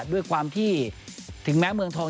ด้วยความที่ถึงแม้เมืองทอง